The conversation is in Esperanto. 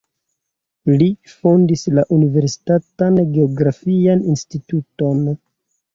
Li fondis la universitatan geografian instituton.